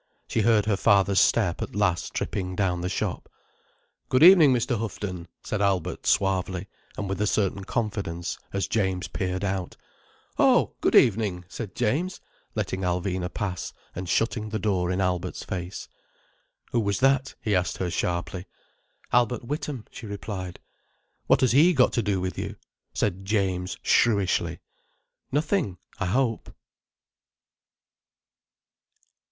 She heard her father's step at last tripping down the shop. "Good evening, Mr. Houghton," said Albert suavely and with a certain confidence, as James peered out. "Oh, good evening!" said James, letting Alvina pass, and shutting the door in Albert's face. "Who was that?" he asked her sharply. "Albert Witham," she replied. "What has he got to do with you?" said James shrewishly. "Nothing, I hope."